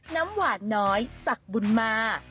น้ำหวานน้อยสักบุญมา